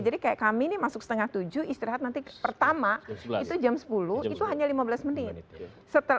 jadi kayak kami ini masuk setengah tujuh istirahat nanti pertama itu jam sepuluh itu hanya lima belas menit